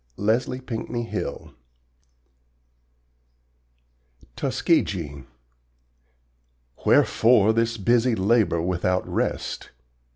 Leslie Pinckney Hill TUSKEGEE Wherefore this busy labor without rest?